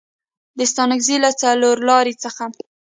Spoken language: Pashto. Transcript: د ستانکزي له څلورلارې څخه